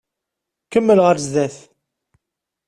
Kemmel ɣer zdat.